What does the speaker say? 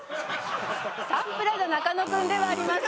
サンプラザ中野くんではありません。